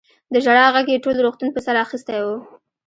د ژړا غږ يې ټول روغتون په سر اخيستی و.